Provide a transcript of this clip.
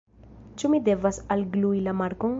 Ĉu mi devas alglui la markon?